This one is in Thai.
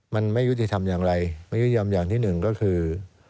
มันไม่ยุติธรรมอย่างไรไม่ยุติธรรมอย่างที่หนึ่งก็คือ